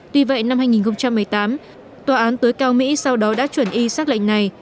tuy vậy năm hai nghìn một mươi tám tòa án tối cao mỹ sau đó đã chuẩn y xác lệnh này